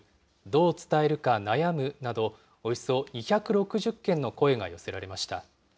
どう伝えるか悩むなど、およそ２６０件の声が寄せられました。